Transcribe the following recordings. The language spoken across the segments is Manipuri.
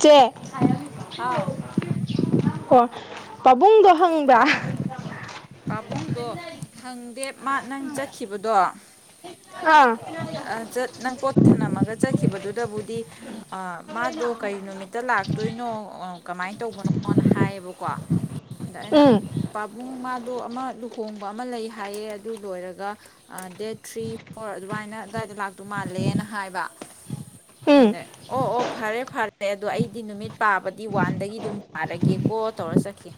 ꯆꯦ ꯍꯥꯎ ꯑꯣ ꯄꯥꯕꯨꯡꯗꯣ ꯍꯪꯕ꯭ꯔ ꯄꯥꯕꯨꯡꯗꯣ ꯍꯪꯗꯦ ꯃꯥ ꯅꯪ ꯆꯠꯈꯤꯕꯗꯣ ꯑꯥ ꯑꯥ ꯆꯠ ꯅꯪ ꯄꯣꯠ ꯊꯅꯝꯃꯒ ꯆꯠꯈꯤꯕꯗꯨꯗꯕꯨꯗꯤ ꯑꯥ ꯃꯥꯗꯣ ꯀꯔꯤ ꯅꯨꯃꯤꯠꯇ ꯂꯥꯛꯇꯣꯏꯅꯣ ꯀꯃꯥꯏꯅ ꯇꯧꯕꯅꯣꯅ ꯍꯥꯏꯌꯦꯕꯀꯣ ꯑꯩꯅ ꯎꯝ ꯄꯥꯕꯨꯡ ꯃꯥꯗꯣ ꯑꯃ ꯂꯨꯍꯣꯡꯕ ꯑꯃ ꯂꯩ ꯍꯥꯏꯌꯦ ꯑꯗꯨ ꯂꯣꯏꯔꯒ ꯗꯦꯠ ꯊ꯭ꯔꯤ ꯐꯣꯔ ꯑꯗꯨꯃꯥꯏꯅ ꯑꯗꯥꯏꯗ ꯂꯥꯛꯇꯧ ꯃꯥꯜꯂꯦꯅ ꯍꯥꯏꯕ ꯎꯝ ꯑꯨꯡꯗꯦ ꯑꯣ ꯑꯣ ꯐꯔꯦ ꯐꯔꯦ ꯑꯗꯣ ꯑꯩꯗꯤ ꯅꯨꯃꯤꯠ ꯄꯥꯕꯗꯤ ꯋꯥꯟꯗꯒꯤ ꯗꯨꯝ ꯄꯔꯒꯦꯀꯣ ꯇꯧꯔ ꯆꯠꯈꯤꯝ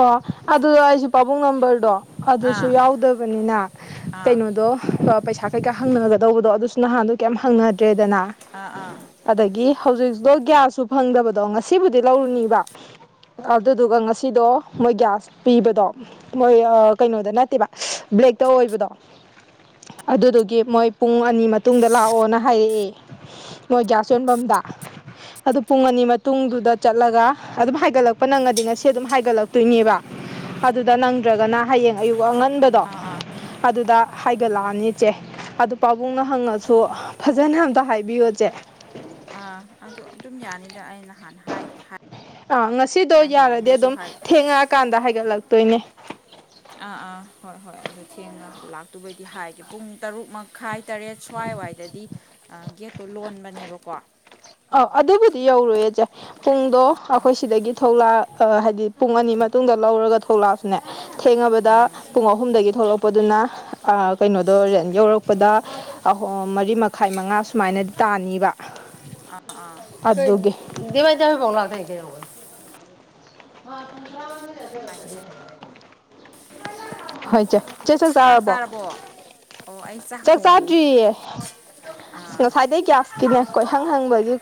ꯑꯣ ꯑꯗꯨ ꯑꯩꯁꯨ ꯄꯥꯕꯨꯡ ꯅꯝꯕꯔꯗꯣ ꯑꯗꯨꯁꯨ ꯑꯥ ꯌꯥꯎꯗꯕꯅꯤꯅ ꯑꯥ ꯀꯩꯅꯣꯗꯣ ꯑꯥ ꯄꯩꯁꯥ ꯀꯩꯀꯥ ꯍꯪꯅꯒꯗꯧꯕꯗꯣ ꯑꯗꯨꯁꯨ ꯅꯍꯥꯟꯗꯣ ꯀꯩꯝ ꯍꯪꯅꯗ꯭ꯔꯦꯗꯅ ꯑꯥ ꯑꯥ ꯑꯗꯒꯤ ꯍꯧꯖꯤꯛꯗꯣ ꯒ꯭ꯌꯥꯁꯁꯨ ꯐꯪꯗꯕꯗꯣ ꯉꯁꯤꯕꯨꯗꯤ ꯂꯧꯔꯨꯅꯤꯕ ꯑꯗꯨꯗꯨꯒ ꯉꯁꯤꯗꯣ ꯃꯣꯏ ꯒ꯭ꯌꯥꯁ ꯄꯤꯕꯗꯣ ꯃꯣꯏ ꯀꯩꯅꯣꯗꯣ ꯅꯠꯇꯦꯕ ꯕ꯭ꯂꯦꯛꯇ ꯑꯣꯏꯕꯗꯣ ꯑꯗꯨꯗꯨꯒꯤ ꯃꯣꯏ ꯄꯨꯡ ꯑꯅꯤ ꯃꯇꯨꯡꯗ ꯂꯥꯛꯑꯣꯅ ꯍꯥꯏꯌꯦ ꯃꯣꯏ ꯒ꯭ꯌꯥ ꯌꯣꯟꯐꯝꯗ ꯑꯗꯨ ꯄꯨꯡ ꯑꯅꯤ ꯃꯇꯨꯡꯗꯨꯗ ꯆꯠꯂꯒ ꯑꯗꯨꯝ ꯍꯥꯏꯒꯠꯂꯛ- ꯄ ꯅꯪꯉꯗꯤ ꯉꯁꯤ ꯑꯗꯨꯝ ꯍꯥꯏꯒꯠꯂꯛꯇꯣꯏꯅꯦꯕ ꯑꯗꯨꯗ ꯅꯪꯗ꯭ꯔꯒꯅ ꯍꯌꯦꯡ ꯑꯌꯨꯛ ꯑꯉꯟꯕꯗꯣ ꯑꯥ ꯑꯗꯨꯗ ꯍꯥꯏꯒꯠꯂꯛꯑꯅꯤ ꯆꯦ ꯑꯗꯨ ꯄꯥꯕꯨꯡꯅ ꯍꯪꯉꯛꯁꯨ ꯐꯖꯅ ꯑꯝꯇ ꯍꯥꯏꯕꯤꯌꯣ ꯆꯦ ꯑꯥ ꯑꯗꯨ ꯑꯗꯨꯝ ꯌꯥꯅꯤꯗ ꯑꯩ ꯍꯥꯟꯅ ꯍꯥꯏ ꯑꯥ ꯉꯁꯤꯗꯣ ꯌꯥꯔꯗꯤ ꯍꯥꯏꯈ꯭ꯔꯕꯅꯤꯅꯁꯨ ꯑꯗꯨꯝ ꯍꯥꯏ ꯊꯦꯡꯉꯛꯑꯥꯀꯥꯟꯗ ꯍꯥꯏꯒꯠꯂꯛꯇꯣꯏꯅꯦ ꯑꯥ ꯑꯥ ꯍꯣꯏ ꯍꯣꯏ ꯑꯗꯨ ꯊꯦꯡꯉ ꯂꯥꯛꯇꯨꯕꯩꯗꯤ ꯍꯥꯏꯒꯦ ꯄꯨꯡ ꯇꯔꯨꯛ ꯃꯈꯥꯏ ꯇꯔꯦꯠ ꯁ꯭ꯋꯥꯏꯋꯥꯏꯗꯗꯤ ꯒꯦꯠꯇꯣ ꯂꯣꯟꯕꯅꯦꯕꯀꯣ ꯑꯧ ꯑꯗꯨꯕꯨꯗꯤ ꯌꯧꯔꯣꯏꯌꯦ ꯆꯦ ꯄꯨꯡꯗꯣ ꯑꯩꯈꯣꯏ ꯁꯤꯗꯒꯤ ꯊꯣꯛꯂꯛꯑ ꯑꯥ ꯍꯥꯏꯗꯤ ꯄꯨꯡ ꯑꯅꯤ ꯃꯇꯨꯡꯗ ꯂꯧꯔꯒ ꯊꯣꯛꯂꯛꯑꯁꯨꯅꯦ ꯊꯦꯡꯉꯅꯕꯗ ꯎꯝ ꯄꯨꯡ ꯑꯍꯨꯝꯗꯒꯤ ꯊꯣꯛꯂꯛꯄꯗꯨꯅ ꯀꯩꯅꯣꯗꯣ ꯔꯦꯟ ꯌꯧꯔꯛꯄꯗ ꯑꯍ ꯃꯔꯤ ꯃꯈꯥꯏ ꯃꯉꯥ ꯁꯨꯃꯥꯏꯅ ꯇꯥꯅꯤꯕ ꯑꯥ ꯑꯥ ꯑꯗꯨ ꯑꯗꯨꯦꯗꯤꯕꯥꯥꯏꯗꯤꯕꯥꯎ ꯂꯥꯛꯗꯦ ꯍ ꯊ ꯍꯥꯏ ꯍꯣꯏ ꯆꯦ ꯆꯦ ꯆꯦ ꯆꯥꯔꯕꯣ ꯑꯣ ꯑꯩ ꯆꯥꯛ ꯊꯣꯡꯉꯤ ꯆꯥꯗ꯭ꯔꯤꯌꯦ ꯑꯁ ꯑꯥ ꯉꯁꯥꯏꯗꯒꯤꯩ ꯀꯌꯥ ꯅꯦ ꯀꯣꯏ ꯍꯪ ꯍꯪꯕꯒꯤ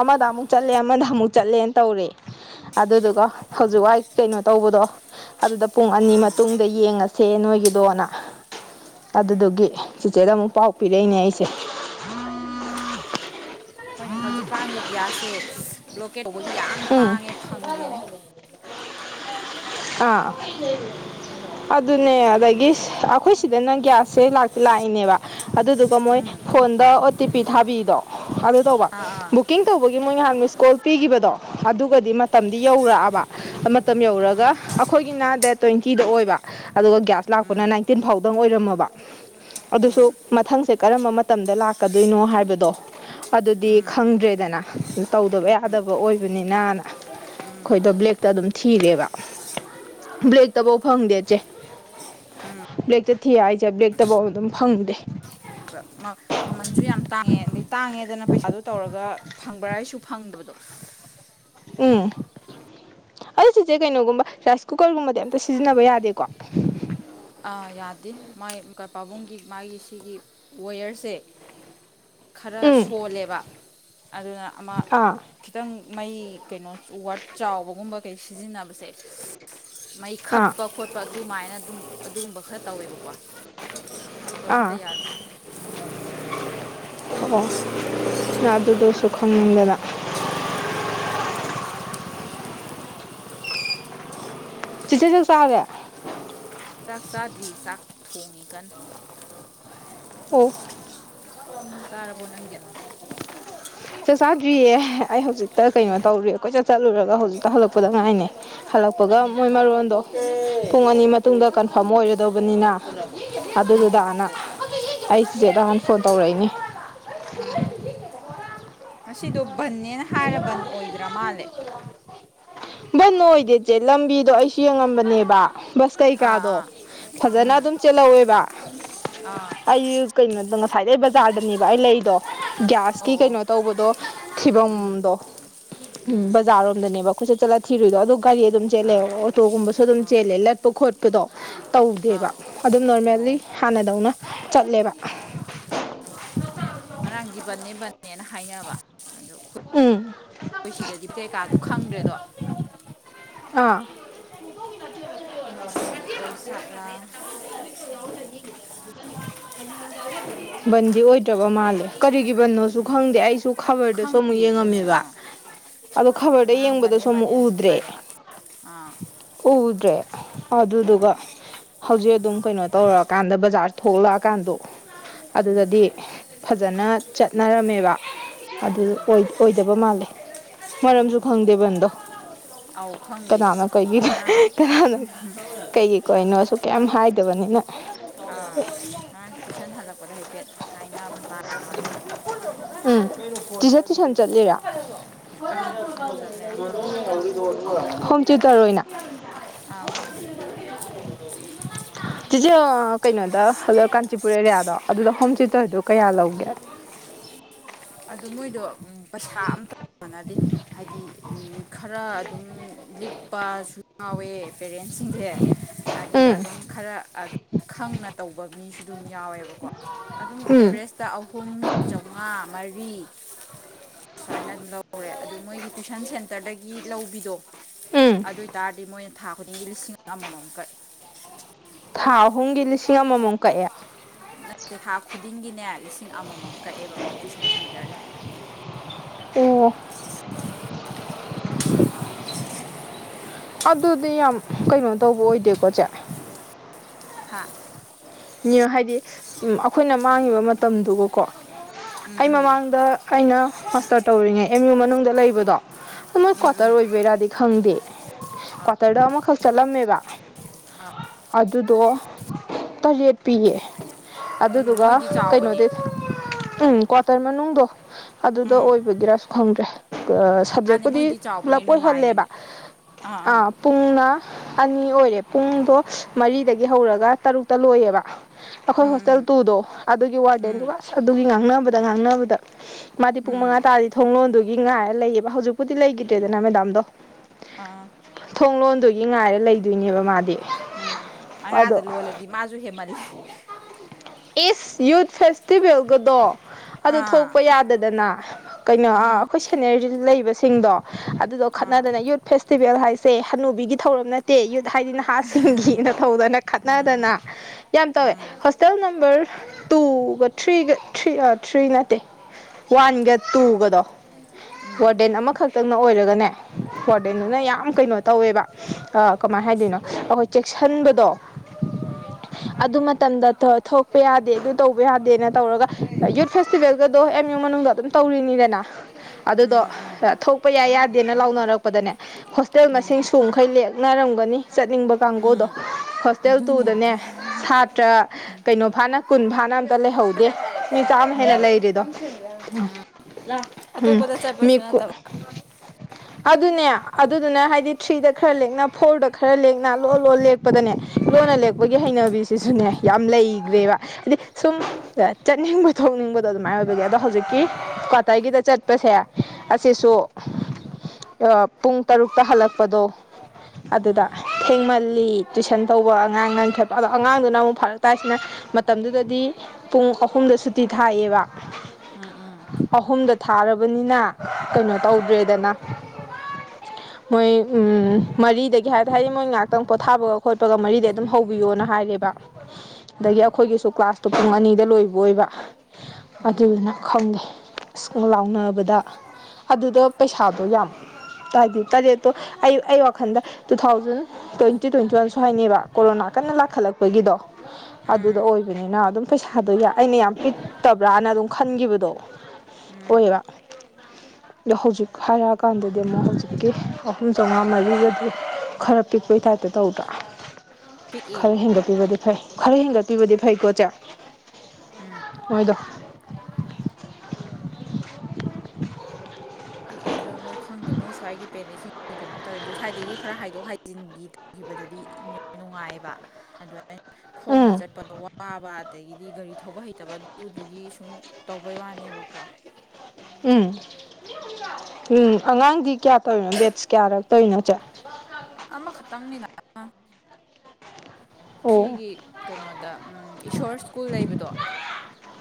ꯑꯃꯗ ꯑꯃꯨꯛ ꯆꯠꯂꯦ ꯑꯃꯗ ꯑꯃꯨꯛ ꯆꯠꯂꯦꯅ ꯇꯧꯔꯦ ꯑꯗꯨꯗꯨꯒ ꯍꯧꯖꯤꯛ ꯋꯥꯏ ꯀꯩꯅꯣ ꯇꯧꯕꯗꯣ ꯑꯗꯨꯗ ꯄꯨꯡ ꯑꯅꯤ ꯃꯇꯨꯡꯗ ꯌꯦꯡꯉꯁꯦ ꯅꯣꯏꯒꯤꯗꯣꯅ ꯑꯗꯨꯗꯨꯒꯤ ꯆꯤꯆꯦꯗ ꯑꯃꯨꯛ ꯄꯥꯎ ꯄꯤꯔꯛꯏꯅꯦ ꯑꯩꯁꯦ ꯍꯈꯣꯏꯅꯦ ꯍꯧꯖꯤꯛꯀꯥꯟꯁꯦ ꯒ꯭ꯌꯥꯁꯁꯦ ꯕ꯭ꯂꯣꯀꯦꯠ ꯇꯧꯕꯒꯤ ꯌꯥꯝ ꯎꯝ ꯇꯥꯡꯉꯦ ꯐꯪꯗꯦꯅꯦ ꯑꯥ ꯑꯗꯨꯅꯦ ꯑꯗꯒꯤ ꯑꯩꯈꯣꯏ ꯁꯤꯗꯅ ꯒ꯭ꯌꯥꯁꯁꯦꯥꯛꯇꯤ ꯂꯥꯛꯏꯅꯦꯕ ꯑꯗꯨꯗꯨꯒ ꯃꯣꯏ ꯎꯝ ꯐꯣꯟꯗ ꯑꯣ ꯇꯤ ꯄꯤ ꯊꯥꯕꯤꯗꯣ ꯑꯗꯨ ꯇꯧꯕꯕꯨ ꯑꯥ ꯑꯥ ꯀꯨꯀꯤꯡ ꯇꯧꯕꯒꯤ ꯃꯣꯏ ꯉꯍꯥꯟ ꯃꯤꯁꯀꯣꯜ ꯄꯤꯈꯤꯕꯗꯣ ꯑꯗꯨꯒꯗꯤ ꯃꯇꯝꯗꯤ ꯌꯧꯔꯛꯑꯕ ꯃꯇꯝ ꯌꯧꯔꯒ ꯎꯝ ꯑꯩꯈꯣꯏꯒꯤꯅ ꯗꯦꯠ ꯇ꯭ꯋꯦꯟꯇꯤꯗ ꯑꯣꯏꯕ ꯑꯗꯨꯒ ꯒ꯭ꯌꯥꯁ ꯂꯥꯛꯄꯅ ꯎꯝ ꯅꯥꯏꯟꯇꯤꯟ ꯐꯥꯎꯗꯪ ꯑꯣꯏꯔꯝꯃꯕ ꯑꯗꯨꯁꯨ ꯃꯊꯪꯁꯦ ꯀꯔꯝꯕ ꯃꯇꯝꯗ ꯂꯥꯛꯀꯗꯣꯏꯅꯣ ꯍꯥꯏꯕꯗꯣ ꯑꯗꯨꯗꯤ ꯈꯪꯗ꯭ꯔꯦꯗꯅ ꯇꯧꯗꯕ ꯌꯥꯗꯕ ꯑꯣꯏꯕꯅꯤꯅꯅ ꯎꯝ ꯑꯩꯈꯣꯏꯗꯣ ꯕ꯭ꯂꯦꯛꯇ ꯑꯗꯨꯝ ꯊꯤꯔꯦꯕ ꯕ꯭ꯂꯦꯛꯇꯐꯧ ꯐꯪꯗꯦ ꯏꯠꯆꯦ ꯕ꯭ꯂꯦꯛꯇ ꯊꯤ ꯍꯥꯏꯁꯦ ꯕ꯭ꯂꯦꯛꯇꯐꯧ ꯑꯗꯨꯝ ꯐꯪꯗꯦ ꯃꯥ ꯃꯃꯟꯁꯨ ꯌꯥꯝ ꯇꯥꯡꯉꯦ ꯑꯗꯩ ꯇꯥꯡꯉꯦꯗꯅ ꯄꯩꯁꯥꯗꯨꯣ ꯇꯧꯔꯒ ꯐꯪꯕ꯭ꯔꯥ ꯍꯥꯏꯁꯨ ꯐꯪꯗꯕꯗꯣ ꯎꯝ ꯑꯗꯨ ꯁꯤꯁꯦ ꯀꯩꯅꯣꯒꯨꯝꯕ ꯔꯥꯏꯁ ꯀꯨꯀꯔꯒꯨꯝꯕꯗꯤ ꯑꯝꯇ ꯁꯤꯖꯤꯟꯅꯕ ꯌꯥꯗꯦꯀꯣ ꯌꯥꯗꯦ ꯃꯥꯏ ꯄꯥꯕꯨꯡꯒꯤ ꯃꯥꯒꯤ ꯁꯤꯒꯤ ꯋꯦꯌꯔꯁꯦ [inaudible] ꯈꯔ ꯁꯣꯜꯂꯦꯕ ꯑꯗꯨꯅ ꯑꯃ ꯑꯥ ꯈꯤꯇꯪ ꯃꯩ ꯀꯩꯅꯣ ꯎ ꯋꯥꯠ ꯆꯥꯎꯕꯒꯨꯝꯕ ꯀꯩ ꯁꯤꯖꯤꯟꯅꯕꯁꯦ ꯃꯩ ꯑꯥ ꯈꯞꯄ ꯈꯣꯠꯄ ꯑꯗꯨꯃꯥꯏꯅ ꯑꯗꯨꯝ ꯑꯗꯨꯒꯨꯝꯕ ꯈꯔ ꯇꯧꯋꯦꯕꯀꯣ ꯑꯗꯨꯝꯕ ꯑꯝꯇ ꯑꯥ ꯌꯥꯗꯦ ꯑꯣ ꯑꯗꯨꯗꯁꯨ ꯈꯪꯅꯤꯡꯗꯗ ꯎꯝ ꯆꯤꯆꯦ ꯆꯥꯛ ꯆꯥꯎꯔꯦ ꯆꯥꯛ ꯆꯥꯗ꯭ꯔꯤ ꯆꯥꯛ ꯊꯣꯡꯉꯤ ꯀꯅ ꯑꯣꯐ ꯆꯥꯔꯕꯣ ꯅꯪꯗꯤ ꯆꯠ ꯆꯥꯗ꯭ꯔꯤꯌꯦ ꯑꯩ ꯍꯧꯖꯤꯛꯇ ꯀꯩꯅꯣ ꯎꯝ ꯇꯧꯔꯦ ꯑꯩꯏ ꯆꯠꯂꯨꯔꯒ ꯍꯧꯖꯤꯛꯇ ꯍꯜꯂꯛꯄꯗ ꯉꯥꯏꯅꯦ ꯍꯜꯂꯛꯄꯒ ꯃꯣꯏ ꯃꯔꯣꯟꯗꯣ ꯄꯨꯡ ꯑꯅꯤ ꯃꯇꯨꯡꯗ ꯀꯟꯐꯥꯔꯝ ꯑꯣꯏꯔꯗꯧꯕꯅꯤꯅ ꯎꯝ ꯑꯗꯨꯗꯨꯗꯥꯅ ꯑꯩ ꯁꯤꯆꯦꯠ ꯔꯥꯎꯟ ꯐꯣꯟ ꯇꯧꯔꯛꯏꯅꯦ ꯎꯝ ꯉꯁꯤꯗꯣ ꯕꯟꯅꯦꯅ ꯍꯥꯏ ꯕꯟ ꯑꯣꯏꯗ꯭ꯔ ꯃꯥꯜꯂꯦ ꯕꯟ ꯅꯣꯏꯗꯦ ꯏꯆꯦ ꯂꯝꯕꯤꯗꯣ ꯑꯩꯁꯨ ꯌꯦꯡꯉꯝꯕꯅꯦꯕ ꯕꯁ ꯑꯥ ꯀꯩꯀꯥꯗꯣ ꯑꯥ ꯐꯖꯅ ꯎꯝ ꯑꯗꯨꯝ ꯆꯦꯜꯍꯧꯋꯦꯕ ꯑꯥ ꯑꯩ ꯀꯩꯅꯣꯗ ꯉꯁꯥꯏꯗꯩ ꯕꯖꯥꯔꯗꯅꯦꯕ ꯑꯩ ꯂꯩꯗꯣ ꯒ꯭ꯌꯥꯁꯀꯤ ꯑꯣ ꯑꯣ ꯀꯩꯅꯣ ꯇꯧꯕꯗꯣ ꯎꯝ ꯊꯤꯕꯝꯗꯣ ꯎꯝ ꯕꯖꯥꯔꯔꯣꯝꯗꯅꯦꯕꯀꯣ ꯀꯣꯏꯆꯠ ꯆꯠꯂ ꯊꯔꯨꯏꯗꯣ ꯑꯗꯨꯣ ꯒꯥꯔꯤ ꯑꯗꯨꯝ ꯆꯦꯜꯂꯦ ꯑꯥ ꯑꯣꯇꯣꯒꯨꯝꯕꯁꯨ ꯑꯗꯨꯝ ꯑꯥ ꯆꯦꯜꯂꯦ ꯂꯠ ꯆꯣꯠꯄ ꯈꯣꯠꯄꯗꯣ ꯇꯧꯗꯦꯕ ꯑꯥ ꯑꯗꯨꯝ ꯅꯣꯔꯃꯦꯜꯂꯤ ꯍꯥꯟꯅꯗꯧꯅ ꯆꯠꯂꯦꯕ ꯑꯥ ꯉꯔꯥꯡꯗꯤ ꯕꯟꯅꯦ ꯕꯟꯅꯦꯅ ꯍꯥꯏꯅꯕ ꯑꯗꯨ ꯎꯝ ꯑꯩꯈꯣꯏ ꯁꯤꯗꯗꯤ ꯀꯩꯀꯥꯗ ꯈꯪꯗ꯭ꯔꯦꯗꯣ ꯍꯥ ꯑꯗꯨꯗꯒꯤ ꯑꯣꯏ ꯁꯥꯥꯠꯂꯥ ꯕꯟꯗꯤ ꯑꯣꯏꯗ꯭ꯔꯕ ꯃꯥꯜꯂꯦ ꯀꯔꯤꯒꯤ꯫ ꯕꯅꯣꯁꯨ ꯎꯝ ꯈꯪꯗꯦ ꯑꯩꯁꯨ ꯈꯕꯔꯗꯁꯨ ꯑꯃꯨꯛ ꯈꯪꯗꯦ ꯑꯗꯨꯅꯦ ꯌꯦꯡꯉꯝꯃꯦꯕ ꯑꯥ ꯑꯗꯣ ꯈꯕꯔꯗ ꯉꯔꯥꯡ ꯕꯟꯅꯦ ꯌꯦꯡꯕꯗꯁꯨ ꯑꯃꯨꯛ ꯕꯟꯅꯦꯅ ꯁꯨꯝ ꯎꯗ꯭ꯔꯦ꯫ ꯍꯥꯏꯕ ꯑꯥ ꯎꯗ꯭ꯔꯦ ꯑꯗꯨꯗꯨꯒ ꯎꯝ ꯍꯧꯖꯤꯛ ꯑꯗꯨꯝ ꯀꯩꯅꯣ ꯇꯧꯔꯛꯑꯀꯥꯟꯗ ꯕꯖꯥꯔ ꯊꯣꯛꯂꯛꯑꯀꯥꯟꯗꯣ ꯎꯝ ꯑꯗꯨꯗꯗꯤ꯫ ꯐꯖꯅ ꯆꯠꯅꯔꯝꯃꯦꯕ ꯑꯗꯨ ꯎꯝ ꯑꯣꯏꯗꯕ ꯃꯥꯜꯂꯦ꯫ ꯃꯔꯝꯁꯨ ꯈꯪꯗꯦꯕꯟꯗꯣ꯫ ꯑꯥꯎ ꯀꯅꯥꯅ ꯀꯣꯏꯕꯤꯅꯣ ꯀꯅꯥꯅ ꯀꯩꯒꯤ ꯀꯣꯏꯅꯣꯁꯨ ꯀꯌꯥꯝ ꯍꯥꯏꯗꯕꯅꯤꯅ꯫ ꯥ ꯉꯔꯥꯡ ꯇꯨꯏꯁꯟ ꯍꯜꯂꯛꯄꯗ ꯍꯥꯏꯐꯦꯠ ꯍꯥꯏꯅꯕ ꯇꯥꯔꯛꯄ ꯑꯩꯅ ꯎꯝ ꯇꯨꯁꯟ ꯇꯨꯏꯁꯟ ꯆꯠꯂꯦꯔꯥ ꯑꯥ ꯇꯨꯏꯁꯟ ꯆꯠꯂꯦ ꯑꯉꯥꯡ ꯑꯃꯈꯛ ꯍꯣꯝꯆꯇ ꯔꯣꯏꯅꯥ ꯑ ꯍꯣꯨꯝ ꯇꯇ ꯋꯥ ꯑꯣ ꯆꯤꯆꯦ ꯀꯩꯅꯣꯗ ꯀꯥꯟꯆꯤꯄꯨꯔ ꯑꯦꯔꯤꯌꯥꯗꯣ ꯑꯗꯨꯗ ꯍꯣꯝ ꯊꯤꯦꯇꯔꯗꯣ ꯀꯌꯥ ꯂꯧꯒꯦ꯫ ꯑꯗꯨ ꯃꯣꯏꯗꯣ ꯄꯩꯁꯥ ꯑꯝ ꯇꯅꯗꯤ ꯍꯥꯏꯗꯤ ꯈꯔ ꯑꯗꯨꯝ ꯂꯤꯛꯄꯁꯨ ꯉꯎꯋꯦ ꯄꯦꯔꯦꯟꯁꯁꯤꯡꯁꯦ꯫ ꯑꯗꯨꯒ ꯎꯝ ꯑꯗꯨꯝ ꯈꯔ ꯑꯗꯨ ꯈꯪꯅ ꯇꯧꯕ ꯃꯤꯁꯨ ꯑꯗꯨꯝ ꯌꯥꯎꯋꯦꯕꯀꯣ ꯑꯗꯨꯝ ꯎꯝ ꯑꯦꯕꯔꯦꯁꯇ ꯑꯍꯨꯝ ꯆꯥꯝꯃꯉꯥ ꯃꯔꯤ ꯑꯁꯨꯃꯥꯏꯅ ꯑꯗꯨꯝ ꯂꯧꯔꯦ ꯑꯗ ꯃꯣꯏꯒꯤ ꯇꯨꯋꯏꯁꯟ ꯁꯦꯟꯇꯔꯗꯒꯤ ꯂꯧꯕꯤꯗꯣ ꯎꯝ ꯑꯗꯨ ꯍꯥꯏꯇꯥꯔꯗꯤ ꯃꯣꯏꯅ ꯊꯥ ꯈꯨꯗꯤꯡꯒꯤ ꯂꯤꯁꯤꯡ ꯑꯃꯃꯝ ꯀꯥꯛꯑꯦ ꯊꯥ ꯑꯍꯨꯝꯒꯤ ꯂꯤꯁꯤꯡ ꯑꯃꯃꯨꯝ ꯀꯛꯑꯦ꯫ ꯅꯦ ꯊꯥ ꯈꯨꯗꯤꯡꯒꯤꯅꯦ ꯂꯤꯁꯤꯡ ꯑꯃꯃꯝ ꯀꯛꯑꯦꯕ ꯃꯣꯏ ꯇꯨꯋꯏꯁꯟ ꯁꯦꯟꯇꯔꯅ ꯑꯣ ꯑꯗꯨꯗꯤ ꯌꯥꯝ ꯀꯩꯅꯣ ꯇꯧꯕ ꯑꯣꯏꯗꯦꯀꯣ ꯁꯦ ꯍꯥꯥ ꯍꯥꯏꯗꯤ ꯑꯩꯈꯣꯏꯅ ꯃꯥꯡꯉꯤꯕ ꯃꯇꯝꯗꯨꯒꯀꯣ ꯎꯝ ꯑꯩ ꯎꯝ ꯃꯃꯥꯡꯗ ꯑꯩꯅ ꯃꯥꯁꯇꯔ ꯇꯧꯔꯤꯉꯩ ꯑꯦꯝ ꯌꯨ ꯃꯅꯨꯡꯗ ꯂꯩꯕꯗꯣ ꯑꯗꯨ ꯅꯣꯏ ꯎꯝ ꯀ꯭ꯋꯥꯇꯔ ꯎꯝ ꯑꯣꯏꯕꯩꯔꯗꯤ ꯈꯪꯗꯦ꯫ ꯑꯥ ꯀ꯭ꯋꯥꯇꯔꯗ ꯑꯃꯈꯛ ꯆꯠꯂꯝꯃꯦꯕ ꯑꯥ ꯑꯗꯨꯗꯣ ꯇꯔꯦꯠ ꯄꯤꯌꯦ ꯎꯝ ꯑꯗꯨꯗꯨꯒ ꯃꯣꯏꯗꯤ ꯆꯥꯎꯕꯅꯦ ꯀꯩꯅꯣꯗꯤ ꯎꯝ ꯀ꯭ꯋꯥꯇꯔ ꯃꯅꯨꯡꯗꯣ ꯑꯗꯨꯗ ꯎꯝ ꯑꯣꯏꯕꯒꯤꯔꯁꯨ ꯈꯪꯗ꯭ꯔꯦ꯫ ꯃꯥꯅꯦ ꯁꯕꯖꯦꯛꯄꯨꯗꯤ ꯃꯣꯏꯗꯤ ꯆꯥꯎꯕꯅꯦ ꯄꯨꯂꯞ ꯑꯣꯏꯍꯜꯂꯦꯕ ꯅꯨꯡꯉꯥꯏꯕꯅꯦ ꯑꯥ ꯑꯥ ꯑ ꯄꯨꯡꯅ ꯑꯅꯤ ꯑꯣꯏꯔꯦ ꯄꯨꯡꯗꯣ ꯃꯔꯤꯗꯒꯤ ꯍꯧꯔꯒ ꯇꯔꯨꯛꯇ ꯂꯣꯏꯌꯦꯕ ꯑꯩꯈꯣꯏ ꯍꯣꯁꯇꯦꯜ ꯎꯝ ꯇꯨꯗꯣ ꯑꯗꯨꯒꯤ ꯎꯝ ꯎꯝ ꯋꯥꯔꯗꯦꯟꯒ ꯑꯁ ꯑꯗꯨꯒꯤ ꯉꯥꯡꯅꯕꯗ ꯉꯥꯡꯅꯕꯗ ꯃꯥꯗꯤ ꯄꯨꯡ ꯃꯉꯥ ꯎꯝ ꯇꯥꯔꯗꯤ ꯊꯣꯡꯣꯟꯗꯨꯒꯤ ꯉꯥꯏꯔ ꯂꯩꯌꯦꯕ ꯍꯧꯖꯤꯛꯄꯨꯗꯤ ꯂꯩꯈꯤꯗ꯭ꯔꯦꯗꯅ ꯃꯦꯗꯥꯝꯗꯣ ꯑꯥ ꯊꯣꯡ ꯂꯣꯟꯗꯨꯒꯤ ꯉꯥꯏꯔ ꯂꯩꯗꯣꯏꯅꯦꯕ ꯃꯥꯗꯤ ꯃꯌꯥꯥꯗ ꯑꯗꯣ ꯂꯣꯜꯂꯗꯤ ꯃꯥꯁꯨ ꯍꯦꯃꯜꯂꯦ꯫ ꯏꯁ ꯌꯨꯠ ꯐꯦꯁꯇꯤꯚꯦꯜꯒꯗꯣ ꯑꯗꯨ ꯑꯥ ꯊꯣꯛꯄ ꯌꯥꯗꯗꯅ ꯀꯩꯅꯣ ꯑꯥ ꯑꯩꯈꯣꯏ ꯁꯦꯅꯤꯔ ꯂꯩꯕꯁꯤꯡꯗꯣ ꯑꯗꯨꯗꯣ ꯑꯥ ꯈꯠꯅꯗꯅ ꯌꯨꯇ ꯐꯦꯁꯇꯤꯚꯦꯜ ꯍꯥꯏꯁꯦ ꯍꯅꯨꯕꯤꯒꯤ ꯊꯧꯔꯝ ꯅꯠꯇꯦ ꯌꯨꯠ ꯍꯥꯏꯗꯤ ꯅꯍꯥꯁꯤꯡꯒꯤꯅꯊꯧꯧꯗꯅ ꯎꯝ ꯈꯠꯅꯗꯅ ꯌꯥꯝ ꯇꯧꯋꯦ ꯎꯝ ꯍꯣꯁꯇꯦꯜ ꯅꯝꯕꯔ ꯇꯨꯒ ꯊ꯭ꯔꯤꯒ ꯊ꯭ꯔꯤ ꯊ꯭ꯔꯤ ꯅꯠꯇꯦ ꯋꯥꯟꯒ ꯇꯨꯒꯗꯣ ꯎꯝ ꯋꯥꯔꯗꯦꯟ ꯑꯃꯈꯛꯇꯪꯅ ꯑꯣꯏꯔꯒꯅꯦ ꯑꯣ ꯋꯥꯔꯗꯦꯟꯗꯨꯅ ꯑꯣ ꯌꯥꯝ ꯀꯩꯅꯣ ꯇꯧꯋꯦꯕ꯫ ꯀꯃꯥꯏꯅ ꯑꯥ ꯍꯥꯏꯗꯣꯏꯅꯣ ꯑꯩꯈꯣꯏ ꯆꯦꯛꯁꯤꯟꯕꯗꯣ ꯑꯥ ꯑꯗꯨ ꯃꯇꯝꯗ ꯊꯣꯛꯄ ꯌꯥꯗꯦ ꯑꯗꯨ ꯇꯧꯕ ꯌꯥꯗꯦꯅ ꯇꯧꯔꯒ ꯌꯠ ꯐꯦꯁꯇꯤꯚꯦꯜꯒꯗꯣ ꯑꯦꯝ ꯌꯨꯨꯡ ꯃꯅꯨꯡꯗ ꯑꯗꯨꯝ ꯇꯧꯔꯤꯅꯤꯗꯅ ꯑꯗꯨꯗꯣ ꯎꯝ ꯎꯝ ꯊꯣꯛꯄ ꯌꯥꯏ ꯌꯥꯗꯦꯅ ꯂꯥꯎꯅꯔꯛꯄꯗꯅꯦ ꯍꯣꯁꯇꯦꯜ ꯎꯝ ꯃꯁꯤꯡ ꯁꯨ ꯃꯈꯩ ꯂꯦꯛꯅꯔꯝꯒꯅꯤ ꯆꯠꯅꯤꯡꯕ ꯀꯥꯡꯕꯨꯗꯣ ꯎꯝ ꯍꯣꯁꯇꯦꯜ ꯑꯗꯨꯅꯤꯅꯦ ꯇꯨꯗꯅꯦ ꯁꯥꯇ꯭ꯔ ꯀꯩꯅꯣ ꯐꯥꯅ ꯀꯨꯟ ꯐꯥꯅ ꯑꯝꯇ ꯂꯩꯍꯧꯗꯦ ꯃꯤ ꯆꯥꯝꯃ ꯍꯦꯟꯅ ꯎꯝ ꯂꯩꯔꯤꯗꯣ ꯎꯝ ꯎꯝ ꯑꯇꯣꯞꯄꯗ ꯆꯠꯄꯁꯨ ꯃꯀ ꯅꯠꯇꯕ ꯑꯗꯨꯅꯦ ꯑꯗꯨꯗꯨꯅ ꯍꯥꯏꯗꯤ ꯊ꯭ꯔꯤꯗ ꯈꯔ ꯂꯦꯛꯅ ꯐꯣꯔꯗ ꯈꯔ ꯂꯦꯛꯅ ꯂꯣ ꯂꯣ ꯂꯦꯛ ꯂꯄꯗꯅꯦ ꯂꯣꯟꯅ ꯂꯦꯛꯄꯒꯤ ꯎꯝ ꯍꯩꯅꯕꯤꯁꯤꯁꯨꯅꯦ ꯌꯥꯝ ꯂꯩꯈ꯭ꯔꯦꯕ ꯍꯥꯏꯗꯤ ꯁꯨꯝ ꯆꯠꯅꯤꯡꯕ ꯊꯣꯛꯅꯤꯡꯕꯗꯣ ꯑꯗꯨꯃꯥꯏꯅ ꯑꯣꯏꯕꯒꯤ ꯑꯗꯣ ꯍꯧꯖꯤꯛꯀꯤ ꯀ꯭ꯋꯥꯇꯔꯒꯤꯗ ꯆꯠꯄꯁꯦ ꯑꯁꯤꯁꯨ ꯄꯨꯡ ꯇꯔꯨꯛꯇ ꯍꯜꯂꯛꯄꯗꯣ ꯑꯗꯨꯗ ꯎꯝ ꯊꯦꯡꯃꯜꯂꯤ ꯇꯨꯏꯁꯟ ꯇꯧꯕ ꯑꯉꯥꯡ ꯉꯥꯡꯈ ꯑꯗꯣ ꯑꯉꯥꯡꯗꯨꯅ ꯑꯃꯨꯛ ꯐꯔꯛ ꯇꯥꯏꯁꯤꯅ ꯃꯇꯝꯗꯨꯗꯗꯤ ꯄꯨꯡ ꯑꯍꯨꯝꯗ ꯁꯨꯇꯤ ꯊꯥꯏꯑꯦꯕ ꯎꯝ ꯎꯝ ꯃꯨꯡꯗ ꯊꯥꯔꯕꯅꯤꯅ ꯀꯩꯅꯣ ꯀꯩꯅꯣ ꯇꯧꯗ꯭ꯔꯦꯗꯅ ꯇꯧꯗ꯭ꯔꯦꯗꯅ ꯃꯣꯏ ꯃꯔꯤꯗꯒꯤ ꯍꯥꯏ ꯇꯥꯔꯗꯤ ꯃꯣꯏ ꯉꯥꯏꯍꯥꯛꯇꯪ ꯄꯣꯊꯥꯕꯒ ꯈꯣꯠꯄꯒ ꯃꯔꯤꯗ ꯑꯗꯨꯝ ꯍꯧ ꯇꯤꯌꯣꯅ ꯍꯥꯏꯔꯦꯕ ꯑꯗꯒꯤ ꯎꯝ ꯑꯩꯈꯣꯏꯒꯤꯁꯨ ꯀ꯭ꯂꯥꯁꯇꯣ ꯄꯨꯡ ꯑꯅꯤꯗ ꯂꯣꯏꯕ ꯑꯣꯏꯕ ꯎꯝ ꯑꯗꯨꯅ ꯈꯪꯗꯦ ꯁ꯭ꯀꯨꯜ ꯂꯥꯎꯅꯕꯗ ꯗ ꯑꯗꯨꯗ ꯄꯩꯁꯥꯗꯣ ꯑꯗꯨꯗ ꯌꯥꯝ ꯇ ꯇꯥꯔꯦꯠꯇꯣ ꯑꯩ ꯑꯩ ꯋꯥꯈꯟꯗ ꯇꯨ ꯊꯥꯎꯖꯟ ꯇ꯭ꯋꯦꯟꯇꯤ ꯇ꯭ꯋꯦꯟꯇꯤ ꯋꯥꯟꯁꯨ ꯍꯥꯏꯅꯦꯕ ꯀꯣꯔꯣꯅꯥ ꯀꯟꯅ ꯂꯥꯛꯈꯠꯂꯛꯄꯒꯤꯗꯣ ꯑꯗꯨꯗ ꯎꯝ ꯑꯣꯏꯕꯅꯤꯅ ꯑꯗꯨꯝ ꯄꯩꯁꯥꯗꯣ ꯑꯩꯅ ꯌꯥꯝ ꯄꯤꯛꯇꯕ꯭ꯔꯥꯅ ꯑꯗꯨꯝ ꯈꯟꯈꯤꯕꯗꯣ ꯑꯣꯏ ꯎꯝ ꯑꯗꯣ ꯍꯧꯖꯤꯛ ꯍꯥꯏꯔꯛꯑꯀꯥꯟꯗꯗꯤ ꯑꯃꯨꯛ ꯍꯧꯖꯤꯛꯀꯤ ꯑꯍꯨꯝ ꯆꯥꯝꯃꯉꯥ ꯃꯔꯤꯒꯗꯤ ꯈꯔ ꯄꯤꯛꯄꯒꯤꯇꯥꯏꯞꯇ ꯇꯧꯕ꯭ꯔꯥ ꯈꯔ ꯄꯤꯛꯏ ꯍꯦꯟꯒꯠꯄꯤꯕꯗꯤ ꯐꯩ ꯈꯔ ꯍꯦꯟꯒꯠꯄꯤꯕꯗꯤ ꯐꯩꯀꯣꯠꯁꯦ ꯎꯝ ꯃꯣꯏꯗꯣ ꯄꯤꯛꯑꯦ ꯑꯗꯨꯗꯣ ꯃꯣꯏ ꯈꯪꯗꯦ ꯃꯣꯏ ꯁ꯭ꯋꯥꯏꯒꯤ ꯄꯦꯔꯦꯠꯁꯤꯡ ꯀꯩꯅꯣꯝ ꯇꯧꯋꯦ ꯑꯗꯨ ꯁ꯭ꯋꯥꯏꯗꯒꯤ ꯈꯔ ꯍꯥꯏꯗꯣꯛ ꯍꯥꯏꯖꯤꯟꯈꯤ ꯇꯧꯈꯤꯕꯗꯗꯤ ꯏꯪ ꯅꯨꯡꯉꯥꯏꯑꯕ ꯑꯗꯨ ꯑꯗꯨꯃ ꯈꯣꯡꯅ ꯎꯝ ꯆꯠꯄꯗꯣ ꯋꯥꯕ ꯑꯗꯒꯤꯗꯤ ꯒꯥꯔꯤ ꯊꯧꯕ ꯍꯩꯇꯕ ꯑꯗꯨꯗꯨꯒꯤ ꯁꯨꯝ ꯇꯧꯕꯩ ꯋꯥꯅꯦꯕꯀꯣ ꯎꯝ ꯎꯝ ꯑꯉꯥꯡꯗꯤ ꯀꯌꯥ ꯇꯧꯔꯤꯅꯣ ꯕꯦꯠꯁ ꯀꯌꯥꯔꯛꯛꯇꯧꯔꯤꯅꯣꯁꯦ ꯍ ꯑꯃꯈꯛꯇꯪꯅꯤꯅ ꯑꯥ ꯑꯣ ꯁꯤꯒꯤ ꯀꯩꯅꯣꯗ ꯏꯁꯣꯔ ꯁ꯭ꯀꯨꯜ ꯂꯩꯕꯗꯣ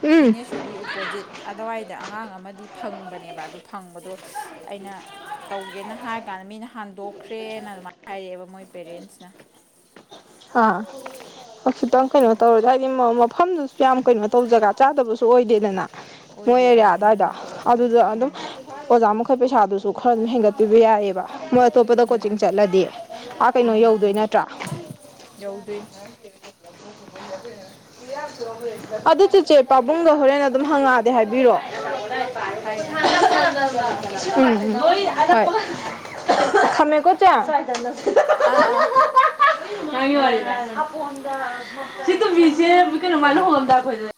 ꯎꯝ ꯗꯤꯅꯦꯁꯔꯤ ꯑꯣꯄꯣꯖꯤꯠ ꯑꯗꯨꯋꯥꯏꯗ ꯑꯉꯥꯡ ꯑꯃꯗꯤ ꯐꯪꯕꯅꯦꯕ ꯑꯗꯨ ꯐꯪꯕꯗꯣ ꯑꯩꯅ ꯇꯧꯒꯦꯅ ꯍꯥꯏꯔ ꯀꯥꯟꯗ ꯃꯤꯅ ꯍꯟꯗꯣꯛꯈ꯭ꯔꯦꯅ ꯑꯗꯨꯃꯥꯏꯅ ꯍꯥꯏꯔꯛꯑꯦꯕ ꯃꯣꯏ ꯄꯦꯔꯦꯟꯁꯅ ꯍꯥꯁ ꯇꯪ ꯀ ꯑꯗꯩ ꯇꯧ ꯃꯐꯝꯗꯨꯁꯨ ꯌꯥꯝ ꯀꯩꯅꯣ ꯇꯧ ꯖꯒꯥ ꯆꯥꯗꯕꯁꯨ ꯑꯣꯏꯗꯦꯗꯅ ꯃꯣꯏ ꯑꯣꯏꯗꯤ ꯑꯦꯔꯤꯌꯥ ꯑꯥ ꯏꯅꯛ ꯑꯗꯨꯋꯥꯏꯗ ꯅꯛꯄ ꯑꯣꯏꯕꯗꯨꯗ ꯑꯗꯨꯗ ꯑꯗꯨꯝ ꯎꯝ ꯑꯣꯖꯥ ꯃꯈꯩ ꯄꯩꯁꯥꯗꯨꯁꯨ ꯈꯔ ꯑꯗꯨꯝ ꯍꯦꯟꯒꯠꯄꯤꯕ ꯌꯥꯏꯑꯕ ꯃꯣꯏ ꯑꯇꯣꯞꯄꯗ ꯀꯣꯆꯤꯡ ꯎꯝ ꯆꯠꯂꯗꯤ ꯑꯥ ꯀꯩꯅꯣ ꯎꯝ ꯌꯧꯗꯣꯏ ꯎꯝ ꯅꯠꯇ꯭ꯔꯥ ꯌꯧꯗꯣꯏꯅꯤ ꯑꯗꯨ ꯆꯤꯆꯦ ꯄꯥꯕꯨꯡꯒ ꯍꯣꯔꯦꯟ ꯑꯗꯨꯝ ꯍꯪꯉꯛꯑꯗꯤꯦ ꯍꯥꯏꯕꯤꯔꯛꯑꯣ ꯍꯥꯏꯒꯦ ꯍꯥꯏ [unintelligible] ꯎꯝ ꯍꯣꯏ ꯊꯝꯃꯦꯃꯦꯀꯣ ꯆ ꯑꯥ ꯑꯥ ꯁꯤꯇ ꯃꯤꯖꯦ ꯀꯩꯅꯃꯥꯏꯅ ꯍꯣꯟꯟꯗ ꯑꯩꯈꯣꯏꯦ